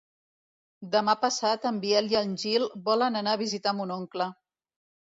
Demà passat en Biel i en Gil volen anar a visitar mon oncle.